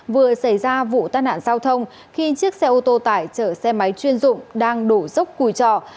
vừa xảy ra vụ tai nạn giao thông khi chiếc xe ô tô tải chở xe máy chuyên dụng đang đổ dốc cùi trọ